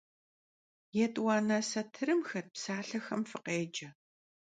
Yêt'uane satırım xet psalhexem fıkhêce.